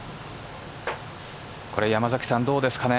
山崎さん、どうですかね。